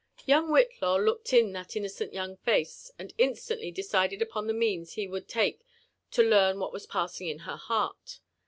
Young Whitlaw looked in that innocent young face, and instantly" decided upon the means be would take to learn what was passing in her heart.